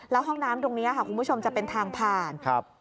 แล้วห้องน้ำตรงนี้ค่ะคุณผู้ชมจะเป็นทางผ่านครับ